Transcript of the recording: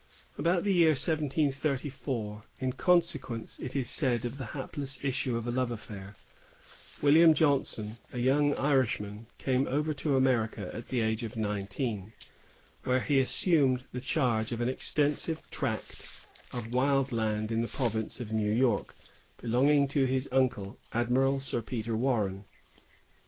About the year 1734, in consequence it is said of the hapless issue of a love affair, William Johnson, a young Irishman, came over to America at the age of nineteen, where he assumed the charge of an extensive tract of wild land in the province of New York, belonging to his uncle, Admiral Sir Peter Warren.